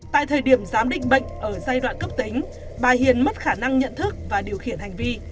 tại thời điểm giám định bệnh ở giai đoạn cấp tính bà hiền mất khả năng nhận thức và điều khiển hành vi